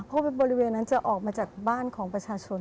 เพราะบริเวณนั้นจะออกมาจากบ้านของประชาชน